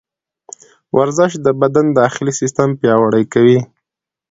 ورزش د بدن داخلي سیسټم پیاوړی کوي.